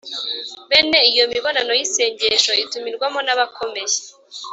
bene iyo mibonano y'isengesho itumirwamo n'abakomeye